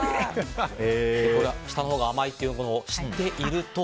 下のほうが甘いということを知っていると？